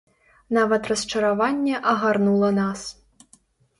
Нават расчараванне агарнула нас.